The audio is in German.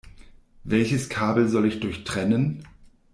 Welches Kabel soll ich durchtrennen?